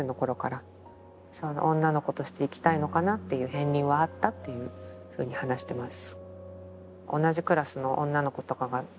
片りんはあったっていうふうに話してます。